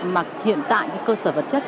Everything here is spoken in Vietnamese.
mà hiện tại cái cơ sở vật chất